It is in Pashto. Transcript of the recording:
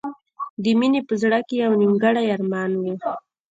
د مینې په زړه کې یو نیمګړی ارمان و